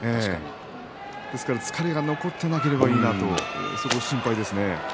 ですから疲れが残っていなければいいなとそれが心配ですね。